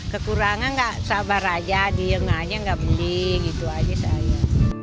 kekurangan gak sabar aja diem aja gak beli gitu aja saya